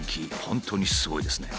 本当にすごいですね。